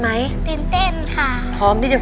คุณยายแดงคะทำไมต้องซื้อลำโพงและเครื่องเสียง